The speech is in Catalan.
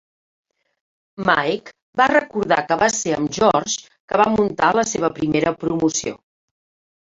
Mike va recordar que va ser amb en George que va muntar la seva primera "promoció".